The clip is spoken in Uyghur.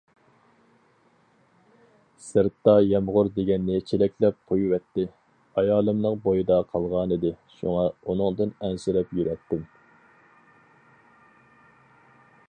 سىرتتا يامغۇر دېگەننى چېلەكلەپ قۇيۇۋەتتى، ئايالىمنىڭ بويىدا قالغانىدى، شۇڭا ئۇنىڭدىن ئەنسىرەپ يۈرەتتىم.